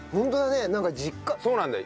そうなんだよ。